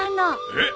えっ！？